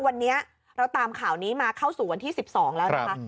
วันนี้เราตามข่าวนี้มาเข้าสู่วันที่๑๒แล้วนะคะ